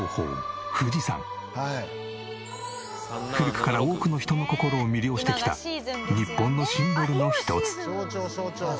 古くから多くの人の心を魅了してきた日本のシンボルの一つ。